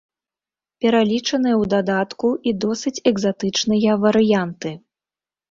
Пералічаныя ў дадатку і досыць экзатычныя варыянты.